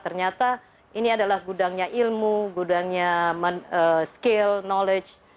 ternyata ini adalah gudangnya ilmu gudangnya skill knowledge